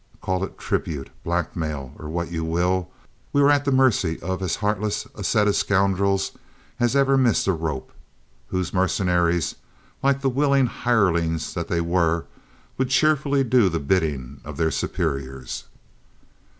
Call it tribute, blackmail, or what you will, we were at the mercy of as heartless a set of scoundrels as ever missed a rope, whose mercenaries, like the willing hirelings that they were, would cheerfully do the bidding of their superiors.